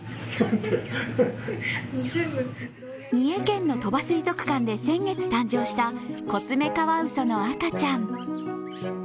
三重県の鳥羽水族館で先月誕生したコツメカワウソの赤ちゃん。